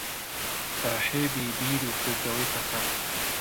ساحێبی بیر و کردەوەی پەسەند